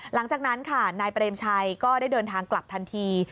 หลังจากนั้นค่ะนายเปรมชัยก็ได้เดินทางกลับทันที